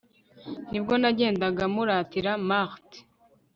ni bwo nagendaga muratira marth